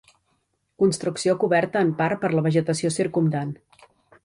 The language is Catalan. Construcció coberta en part per la vegetació circumdant.